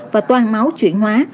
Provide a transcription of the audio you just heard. và toàn máu chuyển hóa